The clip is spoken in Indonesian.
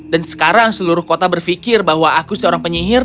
dan sekarang seluruh kota berpikir bahwa aku seorang penyihir